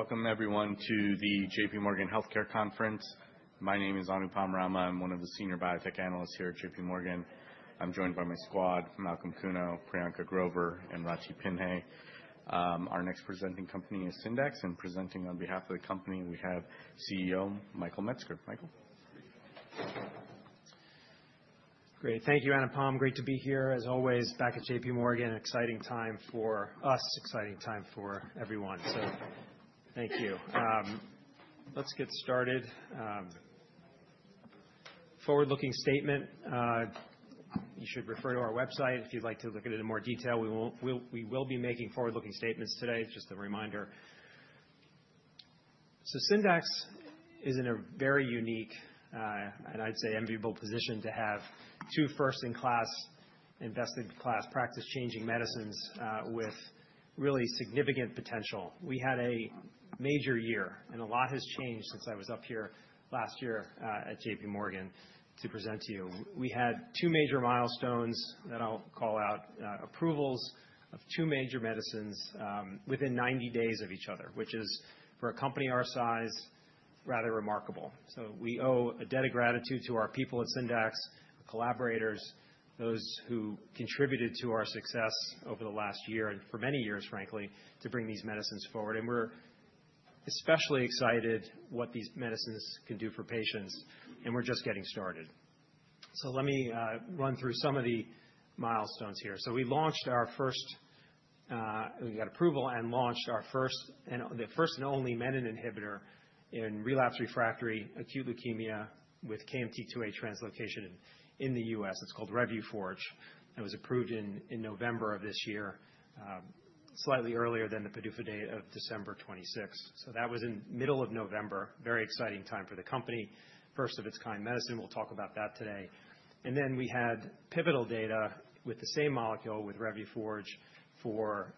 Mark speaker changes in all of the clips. Speaker 1: Welcome, everyone, to the JPMorgan Healthcare Conference. My name is Anupam Rama. I'm one of the senior biotech analysts here at JPMorgan. I'm joined by my squad: Malcolm Kuno, Priyanka Grover, and Rathi Pinhasi. Our next presenting company is Syndax, and presenting on behalf of the company, we have CEO Michael Metzger. Michael.
Speaker 2: Great. Thank you, Anupam. Great to be here, as always, back at J.P. Morgan. Exciting time for us, exciting time for everyone. So thank you. Let's get started. Forward-looking statement. You should refer to our website if you'd like to look at it in more detail. We will be making forward-looking statements today. It's just a reminder. So Syndax is in a very unique, and I'd say enviable, position to have two first-in-class, best-in-class, practice-changing medicines with really significant potential. We had a major year, and a lot has changed since I was up here last year at J.P. Morgan to present to you. We had two major milestones that I'll call out: approvals of two major medicines within 90 days of each other, which is, for a company our size, rather remarkable. We owe a debt of gratitude to our people at Syndax, our collaborators, those who contributed to our success over the last year and for many years, frankly, to bring these medicines forward. And we're especially excited about what these medicines can do for patients, and we're just getting started. So let me run through some of the milestones here. So we launched our first, we got approval and launched our first and only menin inhibitor in relapsed/refractory acute leukemia with KMT2A translocation in the U.S. It's called Revuforj. It was approved in November of this year, slightly earlier than the PDUFA date of December 26. So that was in the middle of November, a very exciting time for the company, first-of-its-kind medicine. We'll talk about that today. And then we had pivotal data with the same molecule with Revuforj for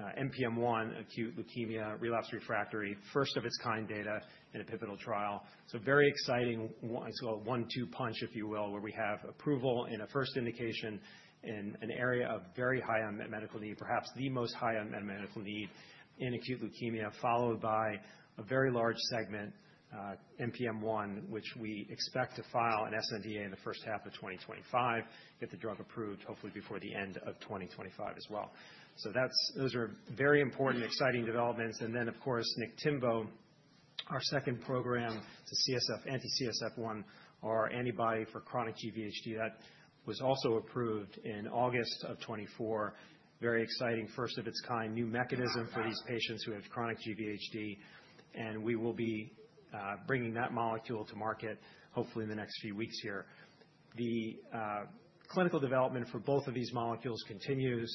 Speaker 2: NPM1 acute leukemia, relapse refractory, first-of-its-kind data in a pivotal trial. So very exciting. I'd call it one-two punch, if you will, where we have approval in a first indication in an area of very high medical need, perhaps the most high medical need in acute leukemia, followed by a very large segment, NPM1, which we expect to file an SNDA in the first half of 2025, get the drug approved, hopefully before the end of 2025 as well. So those are very important, exciting developments. And then, of course, Niktimvo, our second program, it's a CSF-1R anti-CSF-1R antibody for chronic GVHD. That was also approved in August of 2024. Very exciting, first-of-its-kind new mechanism for these patients who have chronic GVHD. And we will be bringing that molecule to market, hopefully in the next few weeks here. The clinical development for both of these molecules continues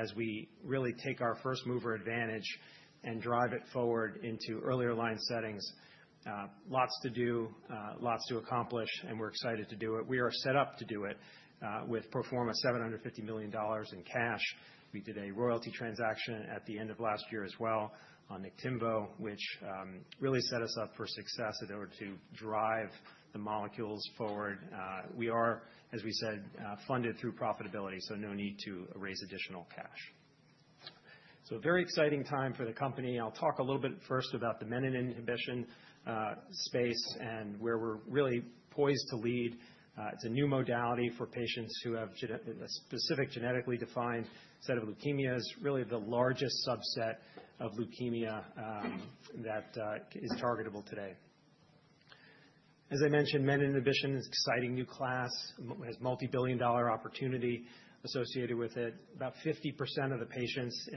Speaker 2: as we really take our first-mover advantage and drive it forward into earlier line settings. Lots to do, lots to accomplish, and we're excited to do it. We are set up to do it with pro forma $750 million in cash. We did a royalty transaction at the end of last year as well on Niktimvo, which really set us up for success in order to drive the molecules forward. We are, as we said, funded through profitability, so no need to raise additional cash. So very exciting time for the company. I'll talk a little bit first about the menin inhibition space and where we're really poised to lead. It's a new modality for patients who have a specific genetically defined set of leukemias, really the largest subset of leukemia that is targetable today. As I mentioned, menin inhibition is an exciting new class, has multi-billion-dollar opportunity associated with it. About 50% of the patients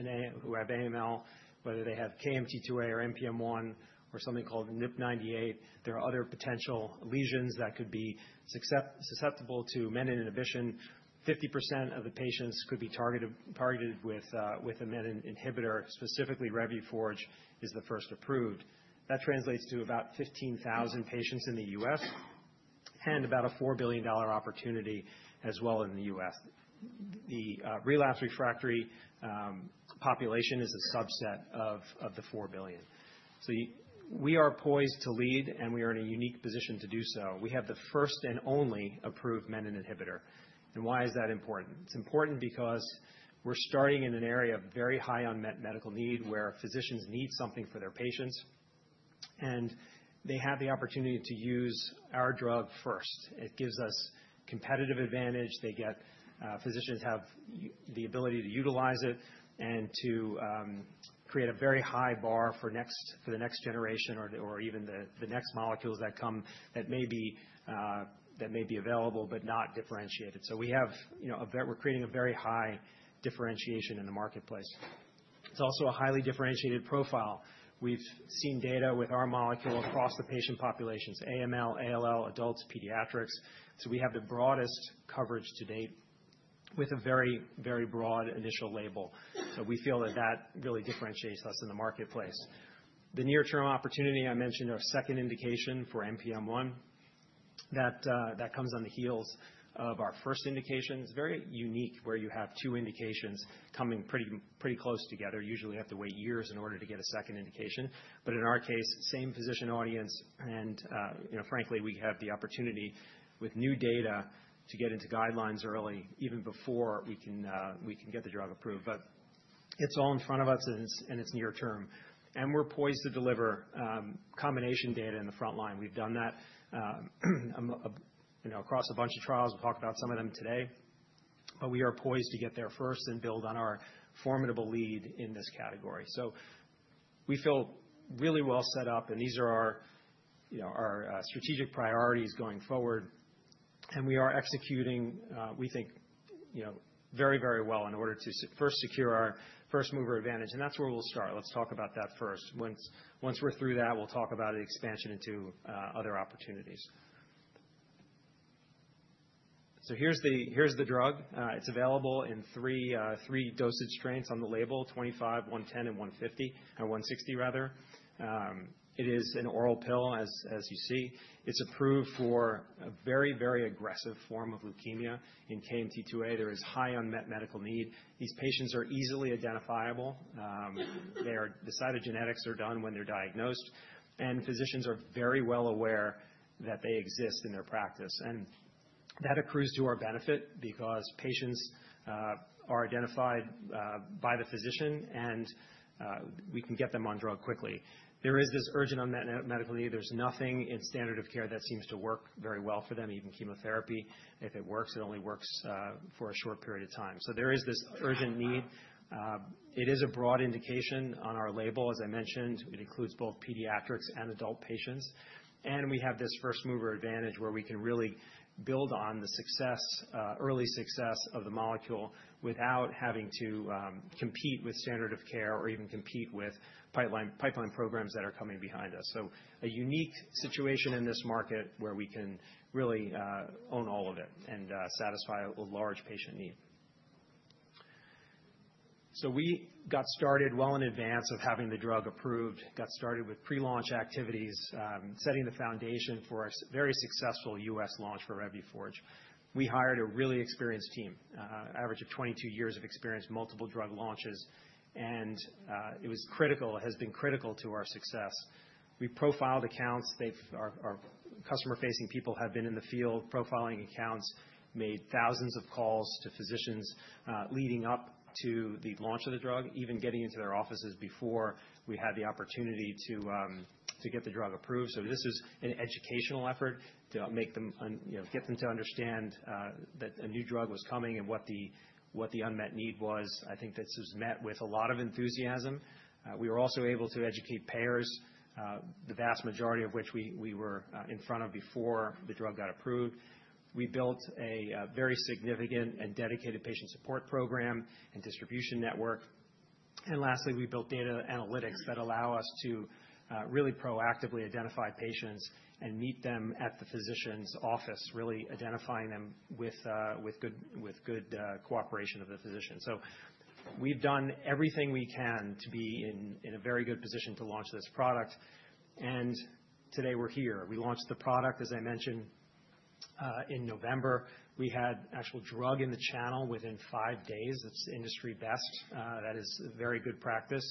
Speaker 2: who have AML, whether they have KMT2A or NPM1 or something called NUP98, there are other potential lesions that could be susceptible to menin inhibition. 50% of the patients could be targeted with a menin inhibitor. Specifically, Revuforj is the first approved. That translates to about 15,000 patients in the U.S. and about a $4 billion opportunity as well in the U.S. The relapse refractory population is a subset of the $4 billion. We are poised to lead, and we are in a unique position to do so. We have the first and only approved menin inhibitor. Why is that important? It's important because we're starting in an area of very high unmet medical need where physicians need something for their patients, and they have the opportunity to use our drug first. It gives us competitive advantage. Physicians have the ability to utilize it and to create a very high bar for the next generation or even the next molecules that may be available but not differentiated. So we're creating a very high differentiation in the marketplace. It's also a highly differentiated profile. We've seen data with our molecule across the patient populations: AML, ALL, adults, pediatrics. So we have the broadest coverage to date with a very, very broad initial label. So we feel that that really differentiates us in the marketplace. The near-term opportunity I mentioned, our second indication for NPM1, that comes on the heels of our first indication. It's very unique where you have two indications coming pretty close together. Usually, you have to wait years in order to get a second indication, but in our case, same physician audience, and frankly, we have the opportunity with new data to get into guidelines early, even before we can get the drug approved, but it's all in front of us, and it's near term, and we're poised to deliver combination data in the front line. We've done that across a bunch of trials. We'll talk about some of them today, but we are poised to get there first and build on our formidable lead in this category, so we feel really well set up, and these are our strategic priorities going forward, and we are executing, we think, very, very well in order to first secure our first-mover advantage, and that's where we'll start. Let's talk about that first. Once we're through that, we'll talk about the expansion into other opportunities. So here's the drug. It's available in three dosage strengths on the label: 25, 110, and 160, rather. It is an oral pill, as you see. It's approved for a very, very aggressive form of leukemia in KMT2A. There is high unmet medical need. These patients are easily identifiable. The cytogenetics are done when they're diagnosed, and physicians are very well aware that they exist in their practice, and that accrues to our benefit because patients are identified by the physician, and we can get them on drug quickly. There is this urgent unmet medical need. There's nothing in standard of care that seems to work very well for them, even chemotherapy. If it works, it only works for a short period of time, so there is this urgent need. It is a broad indication on our label, as I mentioned. It includes both pediatrics and adult patients, and we have this first-mover advantage where we can really build on the early success of the molecule without having to compete with standard of care or even compete with pipeline programs that are coming behind us. It is a unique situation in this market where we can really own all of it and satisfy a large patient need. We got started well in advance of having the drug approved, got started with pre-launch activities, setting the foundation for a very successful U.S. launch for Revuforj. We hired a really experienced team, an average of 22 years of experience, multiple drug launches. It was critical, has been critical to our success. We profiled accounts. Our customer-facing people have been in the field profiling accounts, made thousands of calls to physicians leading up to the launch of the drug, even getting into their offices before we had the opportunity to get the drug approved, so this was an educational effort to get them to understand that a new drug was coming and what the unmet need was. I think this was met with a lot of enthusiasm. We were also able to educate payers, the vast majority of which we were in front of before the drug got approved. We built a very significant and dedicated patient support program and distribution network, and lastly, we built data analytics that allow us to really proactively identify patients and meet them at the physician's office, really identifying them with good cooperation of the physician. So we've done everything we can to be in a very good position to launch this product. And today we're here. We launched the product, as I mentioned, in November. We had actual drug in the channel within five days. That's industry best. That is very good practice.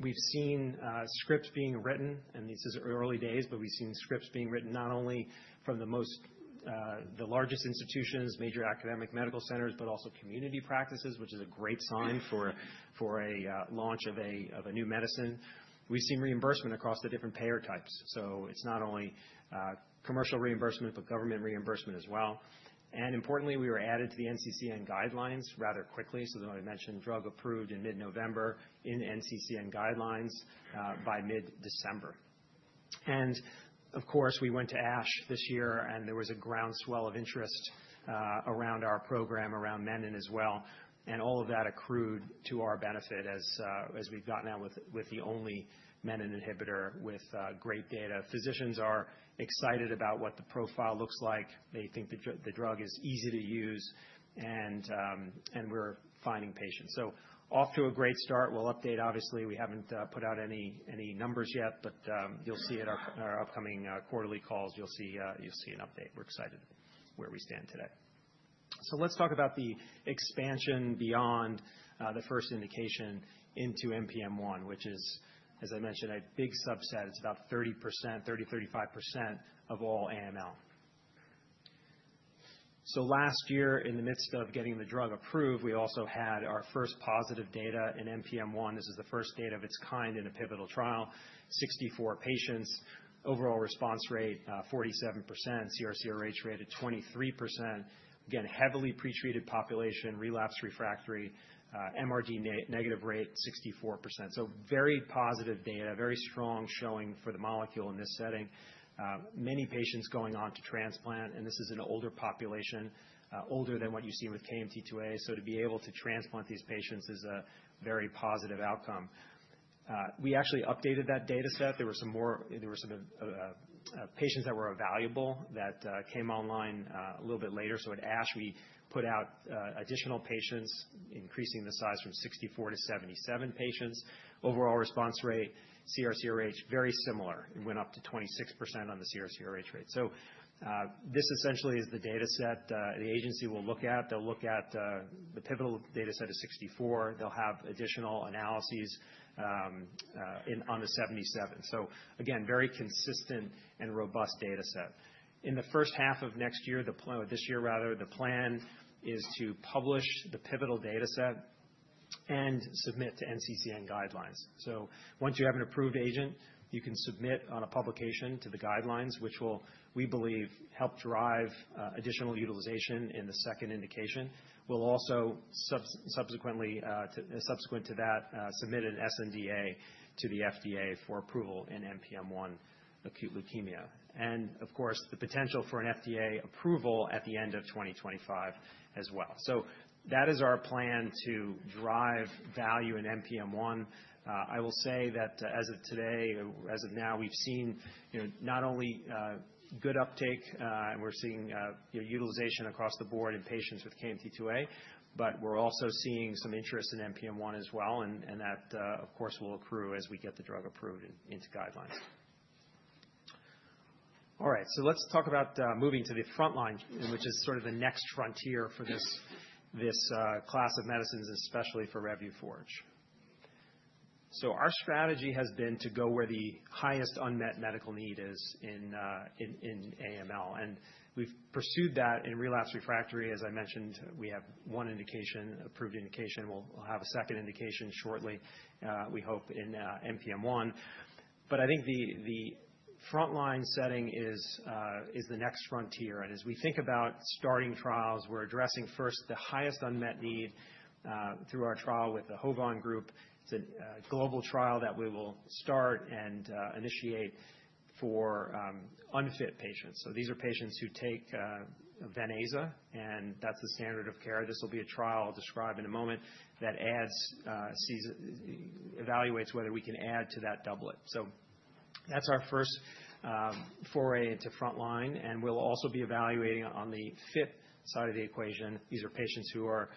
Speaker 2: We've seen scripts being written, and this is early days, but we've seen scripts being written not only from the largest institutions, major academic medical centers, but also community practices, which is a great sign for a launch of a new medicine. We've seen reimbursement across the different payer types. So it's not only commercial reimbursement, but government reimbursement as well. And importantly, we were added to the NCCN guidelines rather quickly. So I mentioned drug approved in mid-November, in NCCN guidelines by mid-December. Of course, we went to ASH this year, and there was a groundswell of interest around our program, around menin as well. All of that accrued to our benefit as we've gotten out with the only menin inhibitor with great data. Physicians are excited about what the profile looks like. They think the drug is easy to use, and we're finding patients. Off to a great start. We'll update, obviously. We haven't put out any numbers yet, but you'll see at our upcoming quarterly calls, you'll see an update. We're excited where we stand today. Let's talk about the expansion beyond the first indication into NPM1, which is, as I mentioned, a big subset. It's about 30%-35% of all AML. Last year, in the midst of getting the drug approved, we also had our first positive data in NPM1. This is the first data of its kind in a pivotal trial, 64 patients. Overall response rate 47%. CR/CRh rate at 23%. Again, heavily pretreated population, relapsed/refractory, MRD negative rate 64%. Very positive data, very strong showing for the molecule in this setting. Many patients going on to transplant, and this is an older population, older than what you see with KMT2A. To be able to transplant these patients is a very positive outcome. We actually updated that data set. There were some patients that were available that came online a little bit later. At ASH, we put out additional patients, increasing the size from 64 to 77 patients. Overall response rate, CR/CRh very similar. It went up to 26% on the CR/CRh rate. This essentially is the data set the agency will look at. They will look at the pivotal data set of 64. They'll have additional analyses on the 77. So again, very consistent and robust data set. In the first half of next year, this year, rather, the plan is to publish the pivotal data set and submit to NCCN guidelines. So once you have an approved agent, you can submit on a publication to the guidelines, which we believe help drive additional utilization in the second indication. We'll also, subsequent to that, submit an SNDA to the FDA for approval in NPM1 acute leukemia. And of course, the potential for an FDA approval at the end of 2025 as well. So that is our plan to drive value in NPM1. I will say that as of today, as of now, we've seen not only good uptake, and we're seeing utilization across the board in patients with KMT2A, but we're also seeing some interest in NPM1 as well. That, of course, will accrue as we get the drug approved into guidelines. All right. So let's talk about moving to the front line, which is sort of the next frontier for this class of medicines, especially for Revuforj. So our strategy has been to go where the highest unmet medical need is in AML. And we've pursued that in relapsed/refractory. As I mentioned, we have one approved indication. We'll have a second indication shortly, we hope, in NPM1. But I think the front line setting is the next frontier. And as we think about starting trials, we're addressing first the highest unmet need through our trial with the HOVON group. It's a global trial that we will start and initiate for unfit patients. So these are patients who take Venclexta, and that's the standard of care. This will be a trial I'll describe in a moment that evaluates whether we can add to that doublet. So that's our first foray into front line. And we'll also be evaluating on the fit side of the equation. These are patients who are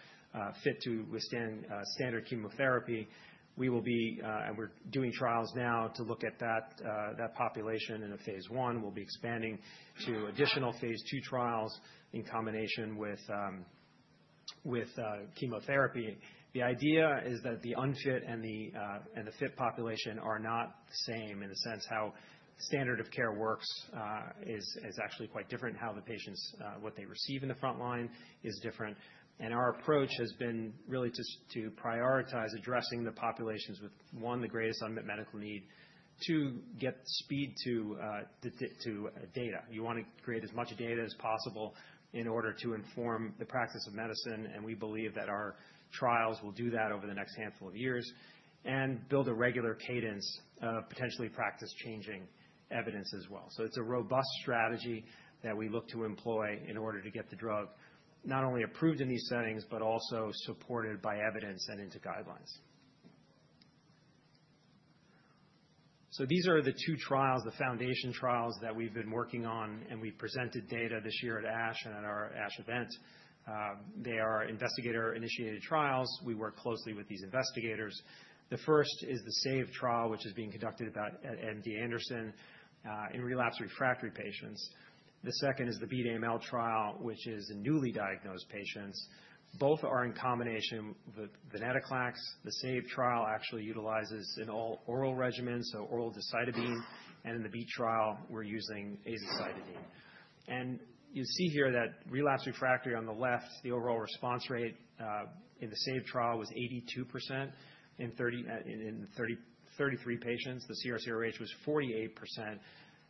Speaker 2: fit to withstand standard chemotherapy. And we're doing trials now to look at that population in a phase one. We'll be expanding to additional phase two trials in combination with chemotherapy. The idea is that the unfit and the fit population are not the same in the sense how standard of care works is actually quite different. What they receive in the front line is different. And our approach has been really to prioritize addressing the populations with, one, the greatest unmet medical need, two, get speed to data. You want to create as much data as possible in order to inform the practice of medicine. We believe that our trials will do that over the next handful of years and build a regular cadence of potentially practice-changing evidence as well. It's a robust strategy that we look to employ in order to get the drug not only approved in these settings, but also supported by evidence and into guidelines. These are the two trials, the foundation trials that we've been working on, and we've presented data this year at ASH and at our ASH event. They are investigator-initiated trials. We work closely with these investigators. The first is the SAVE trial, which is being conducted at MD Anderson in relapsed/refractory patients. The second is the BEAT-AML trial, which is in newly diagnosed patients. Both are in combination with Venclexta. The SAVE trial actually utilizes an oral regimen, so oral decitabine. In the BEAT-AML trial, we're using azacitidine. You see here that relapsed/refractory on the left, the overall response rate in the SAVE trial was 82% in 33 patients. The CR/CRh was 48%.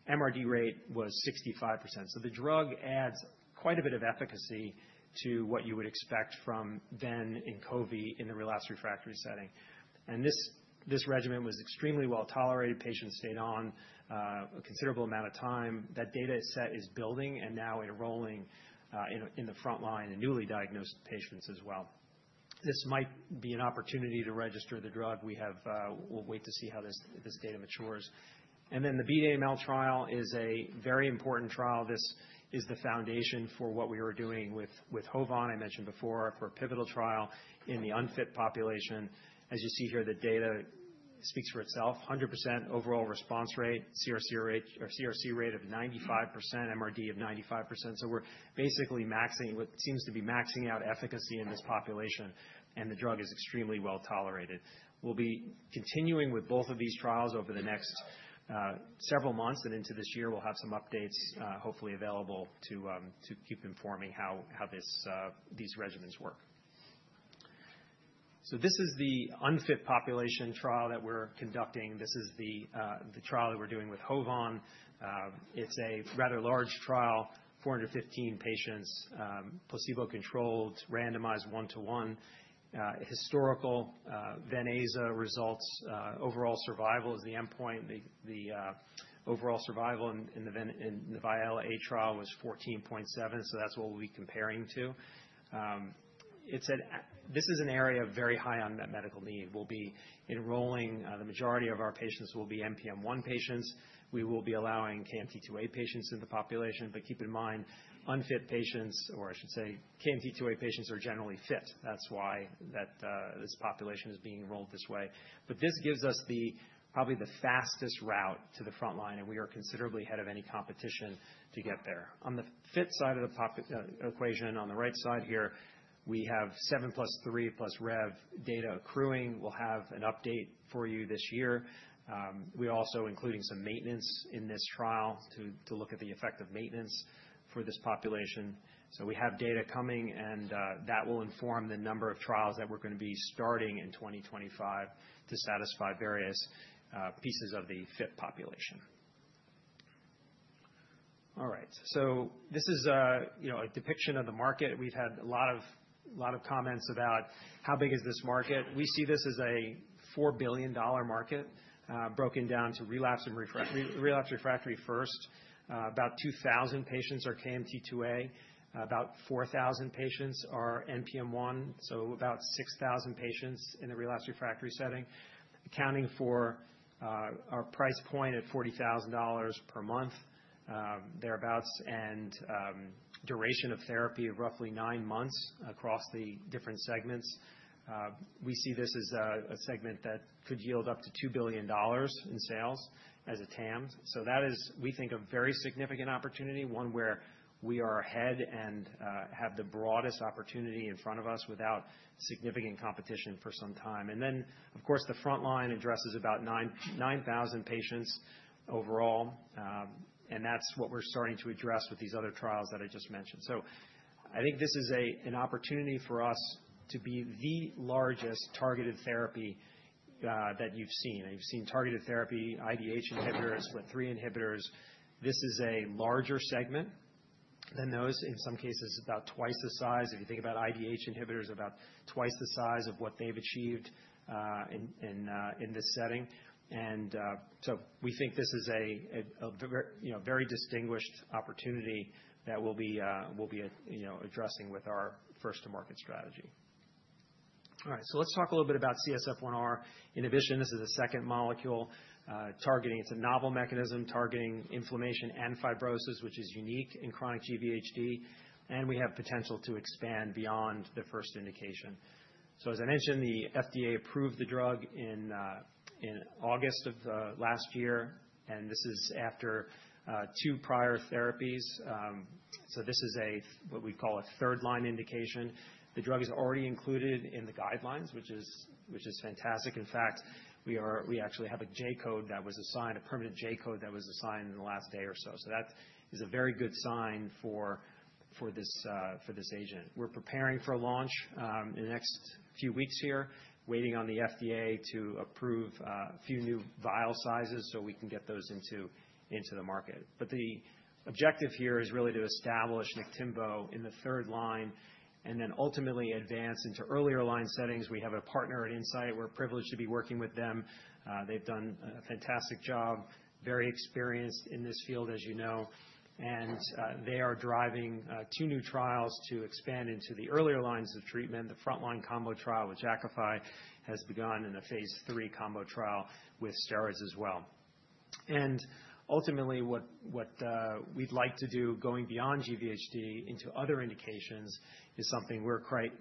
Speaker 2: MRD rate was 65%. The drug adds quite a bit of efficacy to what you would expect from ven and aza in the relapsed/refractory setting. This regimen was extremely well tolerated. Patients stayed on a considerable amount of time. That data set is building and now enrolling in the frontline in newly diagnosed patients as well. This might be an opportunity to register the drug. We'll wait to see how this data matures. The BEAT-AML trial is a very important trial. This is the foundation for what we were doing with HOVON, I mentioned before, for a pivotal trial in the unfit population. As you see here, the data speaks for itself. 100% overall response rate, CR rate of 95%, MRD of 95%. So we're basically maxing what seems to be maxing out efficacy in this population, and the drug is extremely well tolerated. We'll be continuing with both of these trials over the next several months. And into this year, we'll have some updates, hopefully available to keep informing how these regimens work. So this is the unfit population trial that we're conducting. This is the trial that we're doing with HOVON. It's a rather large trial, 415 patients, placebo-controlled, randomized one-to-one. Historical Venclexta results, overall survival is the endpoint. The overall survival in the VIALE-A trial was 14.7, so that's what we'll be comparing to. This is an area of very high unmet medical need. We'll be enrolling the majority of our patients will be NPM1 patients. We will be allowing KMT2A patients in the population. But keep in mind, unfit patients, or I should say KMT2A patients, are generally fit. That's why this population is being enrolled this way. But this gives us probably the fastest route to the front line, and we are considerably ahead of any competition to get there. On the fit side of the equation, on the right side here, we have 7 plus 3 plus Rev data accruing. We'll have an update for you this year. We're also including some maintenance in this trial to look at the effect of maintenance for this population. So we have data coming, and that will inform the number of trials that we're going to be starting in 2025 to satisfy various pieces of the fit population. All right. So this is a depiction of the market. We've had a lot of comments about how big is this market? We see this as a $4 billion market broken down to relapse and relapse refractory first. About 2,000 patients are KMT2A. About 4,000 patients are NPM1, so about 6,000 patients in the relapse refractory setting, accounting for our price point at $40,000 per month thereabouts and duration of therapy of roughly nine months across the different segments. We see this as a segment that could yield up to $2 billion in sales as a TAM. So that is, we think, a very significant opportunity, one where we are ahead and have the broadest opportunity in front of us without significant competition for some time. And then, of course, the front line addresses about 9,000 patients overall, and that's what we're starting to address with these other trials that I just mentioned. So I think this is an opportunity for us to be the largest targeted therapy that you've seen. You've seen targeted therapy, IDH inhibitors, FLT3 inhibitors. This is a larger segment than those. In some cases, about twice the size. If you think about IDH inhibitors, about twice the size of what they've achieved in this setting. And so we think this is a very distinguished opportunity that we'll be addressing with our first-to-market strategy. All right. So let's talk a little bit about CSF-1R inhibition. This is a second molecule targeting. It's a novel mechanism targeting inflammation and fibrosis, which is unique in chronic GVHD. And we have potential to expand beyond the first indication. So as I mentioned, the FDA approved the drug in August of last year, and this is after two prior therapies. So this is what we call a third-line indication. The drug is already included in the guidelines, which is fantastic. In fact, we actually have a J-code that was assigned, a permanent J-code that was assigned in the last day or so. So that is a very good sign for this agent. We're preparing for launch in the next few weeks here, waiting on the FDA to approve a few new vial sizes so we can get those into the market. But the objective here is really to establish Niktimvo in the third line and then ultimately advance into earlier line settings. We have a partner at Incyte. We're privileged to be working with them. They've done a fantastic job, very experienced in this field, as you know. And they are driving two new trials to expand into the earlier lines of treatment. The front line combo trial with Jakafi has begun, a phase three combo trial with steroids as well. Ultimately, what we'd like to do going beyond GVHD into other indications is something we're quite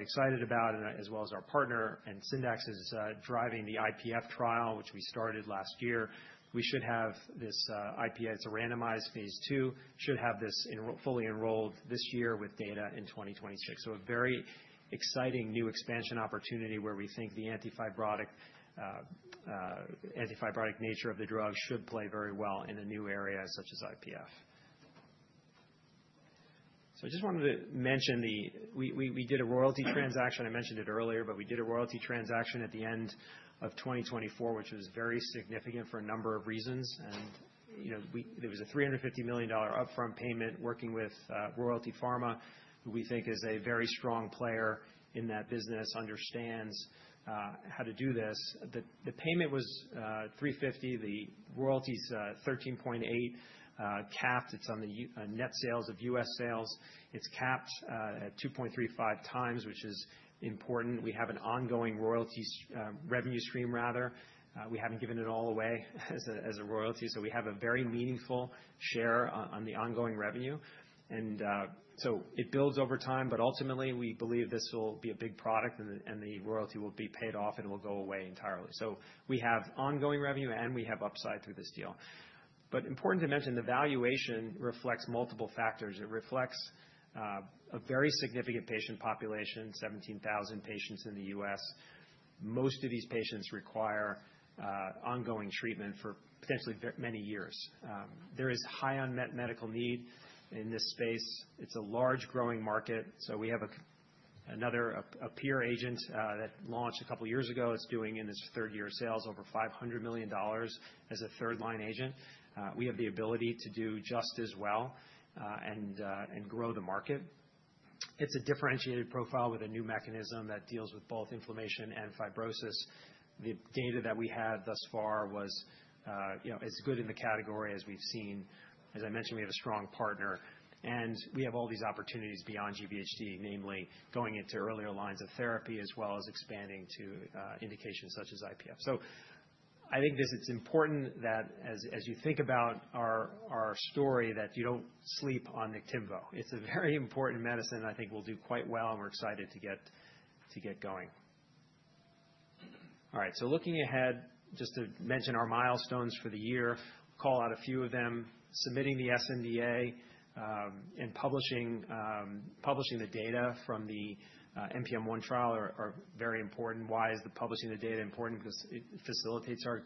Speaker 2: excited about, as well as our partner. Syndax is driving the IPF trial, which we started last year. We should have this IPF. It's a randomized phase two, should have this fully enrolled this year with data in 2026. A very exciting new expansion opportunity where we think the antifibrotic nature of the drug should play very well in a new area such as IPF. I just wanted to mention that we did a royalty transaction. I mentioned it earlier, but we did a royalty transaction at the end of 2024, which was very significant for a number of reasons. There was a $350 million upfront payment working with Royalty Pharma, who we think is a very strong player in that business, understands how to do this. The payment was $350. The royalty's 13.8 capped. It's on the net sales of U.S. sales. It's capped at 2.35 times, which is important. We have an ongoing royalty revenue stream, rather. We haven't given it all away as a royalty. So we have a very meaningful share on the ongoing revenue, and so it builds over time, but ultimately, we believe this will be a big product and the royalty will be paid off and will go away entirely, so we have ongoing revenue and we have upside through this deal, but important to mention, the valuation reflects multiple factors. It reflects a very significant patient population, 17,000 patients in the U.S. Most of these patients require ongoing treatment for potentially many years. There is high unmet medical need in this space. It's a large growing market. So we have another peer agent that launched a couple of years ago. It's doing in its third year sales over $500 million as a third-line agent. We have the ability to do just as well and grow the market. It's a differentiated profile with a new mechanism that deals with both inflammation and fibrosis. The data that we have thus far is as good in the category as we've seen. As I mentioned, we have a strong partner. And we have all these opportunities beyond GVHD, namely going into earlier lines of therapy as well as expanding to indications such as IPF. So I think it's important that as you think about our story, that you don't sleep on Niktimvo. It's a very important medicine I think will do quite well, and we're excited to get going. All right. So looking ahead, just to mention our milestones for the year, call out a few of them. Submitting the SNDA and publishing the data from the NPM1 trial are very important. Why is publishing the data important? Because it facilitates our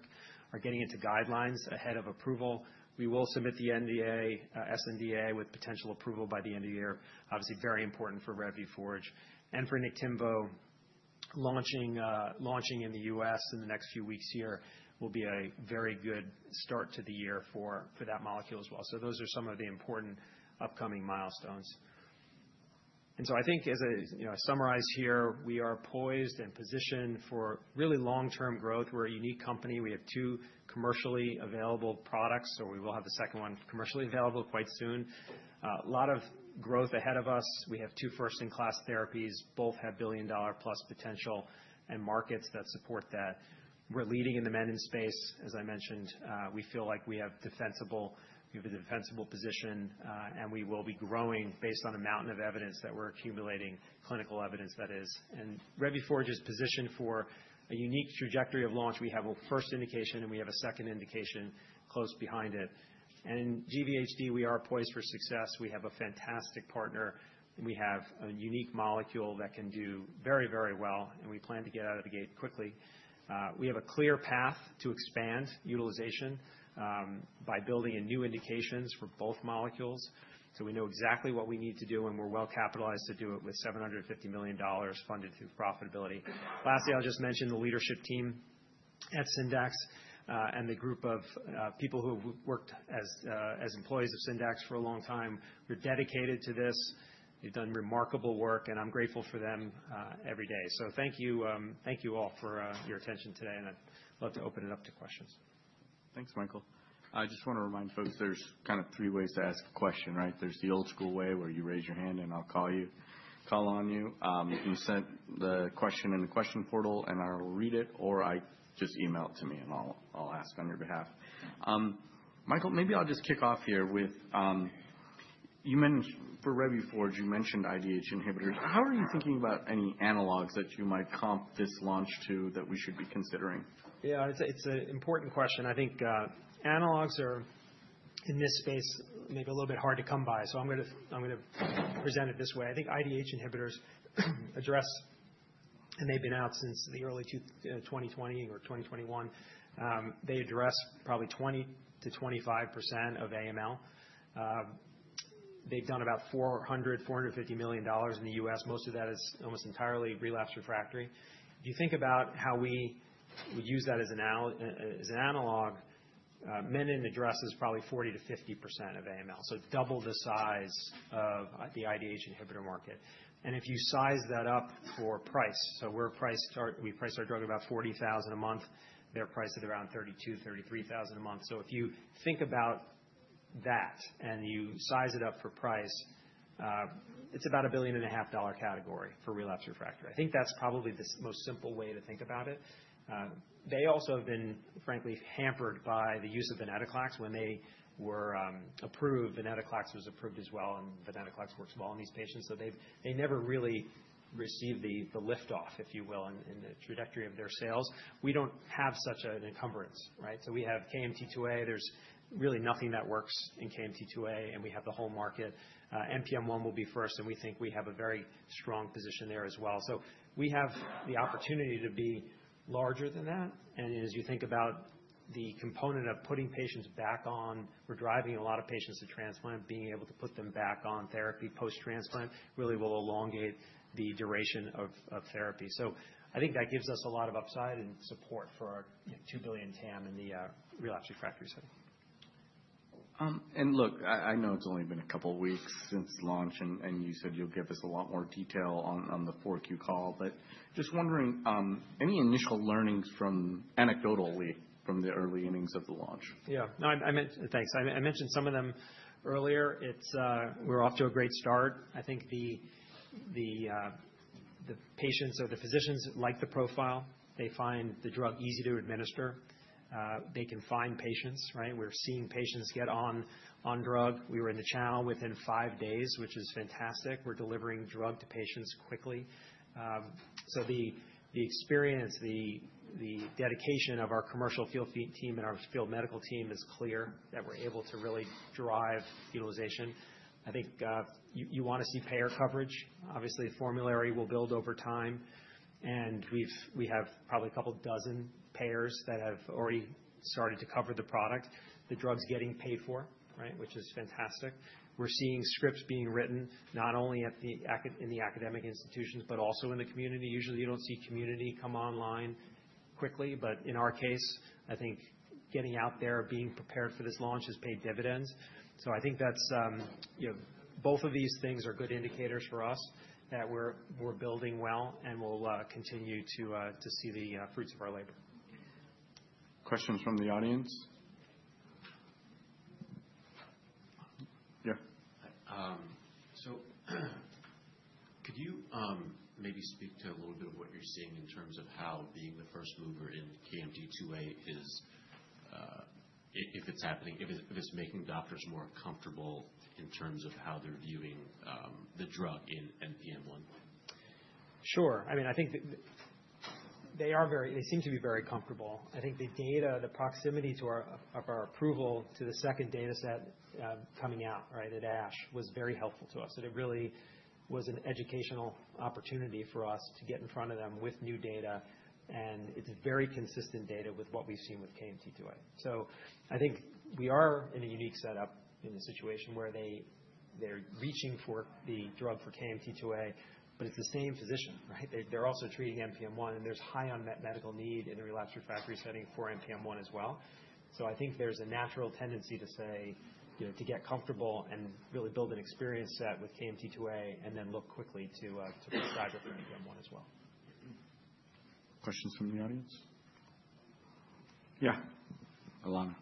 Speaker 2: getting into guidelines ahead of approval. We will submit the SNDA with potential approval by the end of the year. Obviously, very important for Revuforj and for Niktimvo. Launching in the US in the next few weeks here will be a very good start to the year for that molecule as well. So those are some of the important upcoming milestones. And so I think, as I summarize here, we are poised and positioned for really long-term growth. We're a unique company. We have two commercially available products, so we will have the second one commercially available quite soon. A lot of growth ahead of us. We have two first-in-class therapies. Both have billion-dollar-plus potential and markets that support that. We're leading in the menin space. As I mentioned, we feel like we have defensible, we have a defensible position, and we will be growing based on a mountain of evidence that we're accumulating, clinical evidence that is. And Revuforj is positioned for a unique trajectory of launch. We have a first indication, and we have a second indication close behind it. And in GVHD, we are poised for success. We have a fantastic partner. We have a unique molecule that can do very, very well, and we plan to get out of the gate quickly. We have a clear path to expand utilization by building in new indications for both molecules. So we know exactly what we need to do, and we're well capitalized to do it with $750 million funded through profitability. Lastly, I'll just mention the leadership team at Syndax and the group of people who have worked as employees of Syndax for a long time. We're dedicated to this. They've done remarkable work, and I'm grateful for them every day. So thank you all for your attention today, and I'd love to open it up to questions.
Speaker 1: Thanks, Michael. I just want to remind folks there's kind of three ways to ask a question, right? There's the old-school way where you raise your hand and I'll call on you. You can send the question in the question portal, and I'll read it, or just email it to me, and I'll ask on your behalf. Michael, maybe I'll just kick off here with, for Revuforj, you mentioned IDH inhibitors. How are you thinking about any analogs that you might comp this launch to that we should be considering?
Speaker 2: Yeah, it's an important question. I think analogs are in this space maybe a little bit hard to come by, so I'm going to present it this way. I think IDH inhibitors address (and they've been out since the early 2020 or 2021) they address probably 20%-25% of AML. They've done about $400-$450 million in the U.S. Most of that is almost entirely relapse refractory. If you think about how we would use that as an analog, menin addresses probably 40%-50% of AML, so double the size of the IDH inhibitor market. And if you size that up for price, so we price our drug about $40,000 a month. They're priced at around $32,000-$33,000 a month. So if you think about that and you size it up for price, it's about a $1.5 billion-dollar category for relapse refractory. I think that's probably the most simple way to think about it. They also have been, frankly, hampered by the use of Venclexta. When they were approved, Venclexta was approved as well, and Venclexta works well in these patients. So they never really received the lift-off, if you will, in the trajectory of their sales. We don't have such an encumbrance, right? So we have KMT2A. There's really nothing that works in KMT2A, and we have the whole market. NPM1 will be first, and we think we have a very strong position there as well. So we have the opportunity to be larger than that. And as you think about the component of putting patients back on, we're driving a lot of patients to transplant. Being able to put them back on therapy post-transplant really will elongate the duration of therapy. So I think that gives us a lot of upside and support for our $2 billion TAM in the relapsed/refractory setting.
Speaker 1: And look, I know it's only been a couple of weeks since launch, and you said you'll give us a lot more detail on the Q4 call. But just wondering, any initial learnings anecdotally from the early innings of the launch?
Speaker 2: Yeah. Thanks. I mentioned some of them earlier. We're off to a great start. I think the patients or the physicians like the profile. They find the drug easy to administer. They can find patients, right? We're seeing patients get on drug. We were in the channel within five days, which is fantastic. We're delivering drug to patients quickly. So the experience, the dedication of our commercial field team and our field medical team is clear that we're able to really drive utilization. I think you want to see payer coverage. Obviously, the formulary will build over time, and we have probably a couple dozen payers that have already started to cover the product. The drug's getting paid for, right, which is fantastic. We're seeing scripts being written not only in the academic institutions but also in the community. Usually, you don't see community come online quickly, but in our case, I think getting out there, being prepared for this launch has paid dividends. So I think both of these things are good indicators for us that we're building well, and we'll continue to see the fruits of our labor.
Speaker 1: Questions from the audience? Yeah. So could you maybe speak to a little bit of what you're seeing in terms of how being the first mover in KMT2A is, if it's making doctors more comfortable in terms of how they're viewing the drug in NPM1?
Speaker 2: Sure. I mean, I think they seem to be very comfortable. I think the data, the proximity to our approval to the second dataset coming out, right, at ASH, was very helpful to us. It really was an educational opportunity for us to get in front of them with new data, and it's very consistent data with what we've seen with KMT2A. So I think we are in a unique setup in the situation where they're reaching for the drug for KMT2A, but it's the same physician, right? They're also treating NPM1, and there's high unmet medical need in the relapse refractory setting for NPM1 as well. So I think there's a natural tendency to say, to get comfortable and really build an experience set with KMT2A and then look quickly to prescribe it for NPM1 as well.
Speaker 1: Questions from the audience? Yeah, Alana.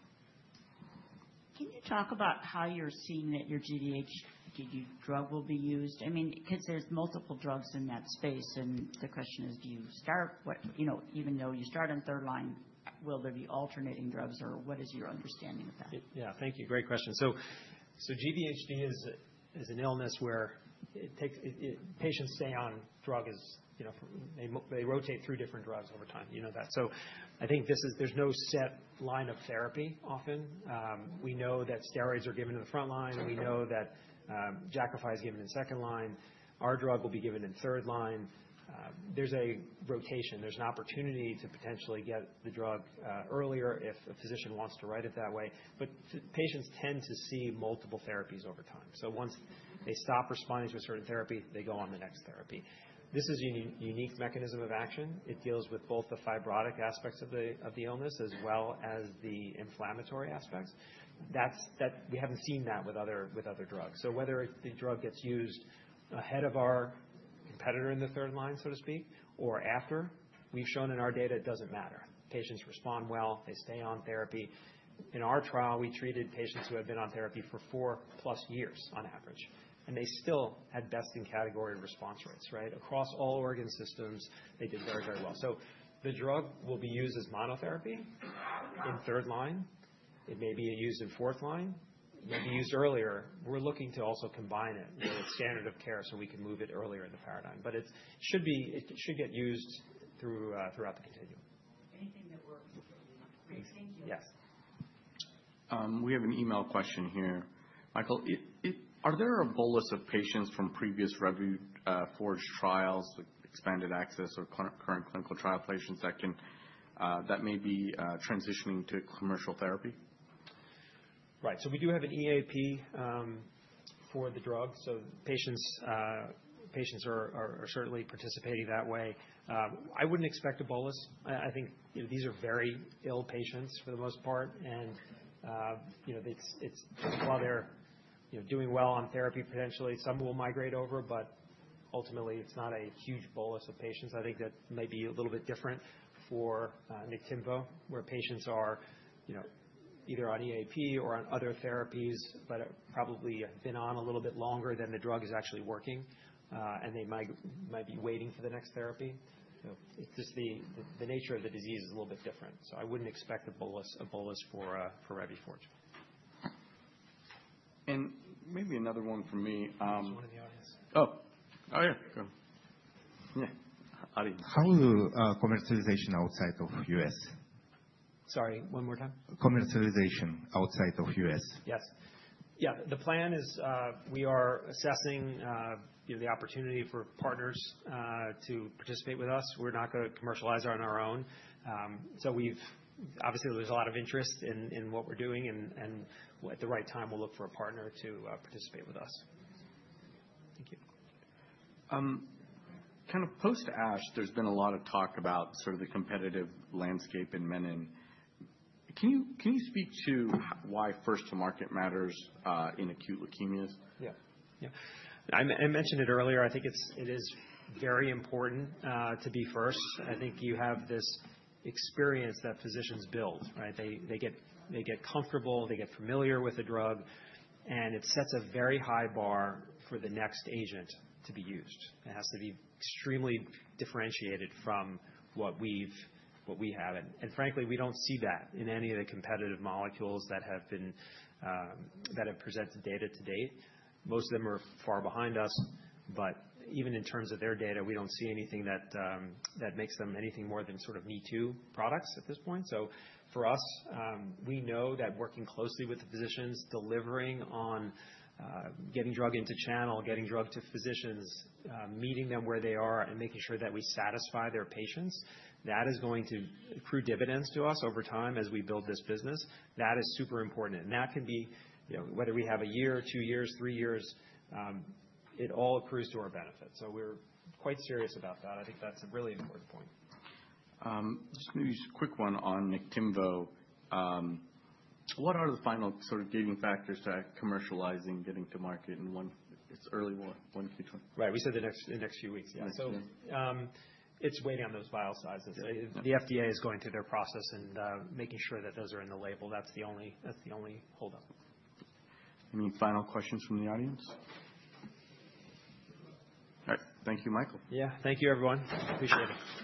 Speaker 1: Can you talk about how you're seeing that your GVHD drug will be used? I mean, because there's multiple drugs in that space, and the question is, do you start? Even though you start on third line, will there be alternating drugs, or what is your understanding of that?
Speaker 2: Yeah, thank you. Great question. So GVHD is an illness where patients stay on drugs. They rotate through different drugs over time. You know that. So I think there's no set line of therapy often. We know that steroids are given to the front line. We know that Jakafi is given in second line. Our drug will be given in third line. There's a rotation. There's an opportunity to potentially get the drug earlier if a physician wants to write it that way. But patients tend to see multiple therapies over time. So once they stop responding to a certain therapy, they go on the next therapy. This is a unique mechanism of action. It deals with both the fibrotic aspects of the illness as well as the inflammatory aspects. We haven't seen that with other drugs. So whether the drug gets used ahead of our competitor in the third line, so to speak, or after, we've shown in our data it doesn't matter. Patients respond well. They stay on therapy. In our trial, we treated patients who had been on therapy for four-plus years on average, and they still had best-in-category response rates, right? Across all organ systems, they did very, very well. So the drug will be used as monotherapy in third line. It may be used in fourth line. It may be used earlier. We're looking to also combine it with standard of care so we can move it earlier in the paradigm. But it should get used throughout the continuum. Anything that works? Great. Thank you. Yes.
Speaker 1: We have an email question here. Michael, are there a bolus of patients from previous Revuforj trials, like expanded access or current clinical trial patients that may be transitioning to commercial therapy?
Speaker 2: Right. So we do have an EAP for the drug. So patients are certainly participating that way. I wouldn't expect a bolus. I think these are very ill patients for the most part, and while they're doing well on therapy, potentially some will migrate over, but ultimately, it's not a huge bolus of patients. I think that may be a little bit different for Niktimvo, where patients are either on EAP or on other therapies, but probably have been on a little bit longer than the drug is actually working, and they might be waiting for the next therapy. The nature of the disease is a little bit different. So I wouldn't expect a bolus for Revuforj.
Speaker 1: Maybe another one from me.
Speaker 2: Just one in the audience.
Speaker 1: Oh, oh, yeah. Go ahead. Yeah. How will commercialization outside of the US?
Speaker 2: Sorry, one more time? Commercialization outside of the U.S.? Yes. Yeah. The plan is we are assessing the opportunity for partners to participate with us. We're not going to commercialize on our own. So obviously, there's a lot of interest in what we're doing, and at the right time, we'll look for a partner to participate with us. Thank you.
Speaker 1: Kind of post-ASH, there's been a lot of talk about sort of the competitive landscape in menin. Can you speak to why first-to-market matters in acute leukemias?
Speaker 2: Yeah. Yeah. I mentioned it earlier. I think it is very important to be first. I think you have this experience that physicians build, right? They get comfortable. They get familiar with the drug, and it sets a very high bar for the next agent to be used. It has to be extremely differentiated from what we have. And frankly, we don't see that in any of the competitive molecules that have presented data to date. Most of them are far behind us, but even in terms of their data, we don't see anything that makes them anything more than sort of me-too products at this point. So for us, we know that working closely with the physicians, delivering on getting drug into channel, getting drug to physicians, meeting them where they are, and making sure that we satisfy their patients, that is going to accrue dividends to us over time as we build this business. That is super important. And that can be whether we have a year, two years, three years, it all accrues to our benefit. So we're quite serious about that. I think that's a really important point.
Speaker 1: Just maybe a quick one on Niktimvo. What are the final sort of gating factors to commercializing, getting to market in early Q2?
Speaker 2: Right. We said the next few weeks. Yeah. So it's waiting on those vial sizes. The FDA is going through their process and making sure that those are in the label. That's the only hold-up.
Speaker 1: Any final questions from the audience? All right. Thank you, Michael.
Speaker 2: Yeah. Thank you, everyone. Appreciate it.